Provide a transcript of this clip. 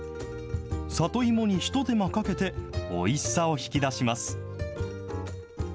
里芋にひと手間かけて、おいしさを引き出します。